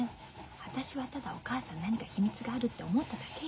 私はただお母さんに何か秘密があるって思っただけよ。